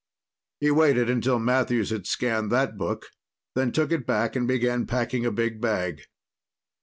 He waited until Matthews had scanned that book, then took it back and began packing a big bag.